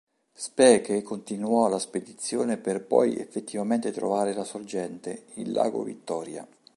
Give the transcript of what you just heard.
Speke continuò la spedizione per poi effettivamente trovare la sorgente, il lago Vittoria.